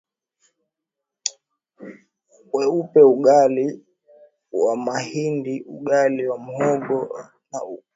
weupeUgali wa mahindiUgali wa muhogo na mahindiWaliUgali wa mtamakipindi